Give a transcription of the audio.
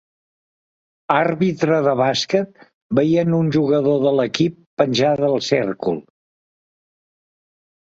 Àrbitre de bàsquet veient un jugador de l'equip penjar del cèrcol.